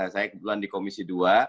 saya kebetulan di komisi dua